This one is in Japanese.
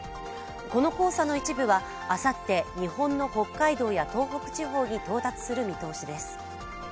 この黄砂の一部はあさって日本の北海道や東北地方に到達する見通しです。